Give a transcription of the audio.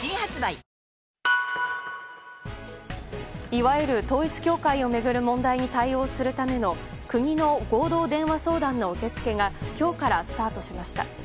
いわゆる統一教会を巡る問題に対応するための国の合同電話相談の受け付けが今日からスタートしました。